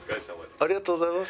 ありがとうございます。